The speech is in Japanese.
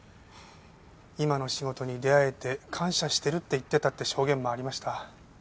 今の仕事に出会えて感謝してるって言ってたって証言もありました。